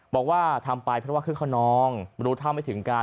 บอกว่าทำไปเพราะเครื่องค้าน้องรู้ทางไม่ถึงการ